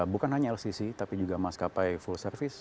bukan hanya lcc tapi juga maskapai full service